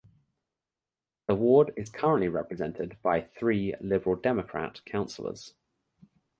The ward is currently represented by three Liberal Democrat councillors.